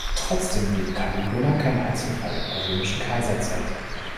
Trotzdem blieb Caligula kein Einzelfall in der römischen Kaiserzeit.